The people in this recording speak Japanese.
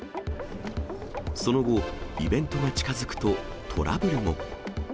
その後、イベントが近づくとトラブルも。